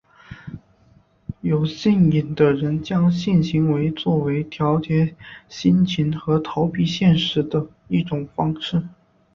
有性瘾的人将性行动作为调节心情和逃避现实的一种方式。